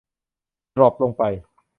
ดรอปลงไป